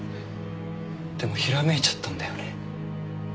でもひらめいちゃったんだよね。